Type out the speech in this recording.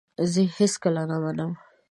زه یې هیڅکله نه منم !